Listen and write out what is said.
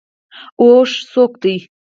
اوښ څوکه ده.